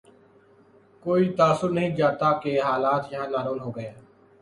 کوئی تاثر نہیں جاتا کہ حالات یہاں نارمل ہو گئے ہیں۔